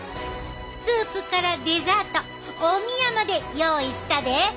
スープからデザートおみやまで用意したで。